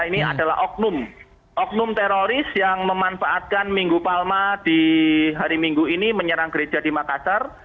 ini adalah oknum oknum teroris yang memanfaatkan minggu palma di hari minggu ini menyerang gereja di makassar